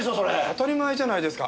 当たり前じゃないですか。